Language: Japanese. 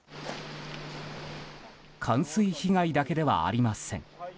冠水被害だけではありません。